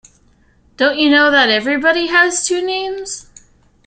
Don't you know that everybody has two names?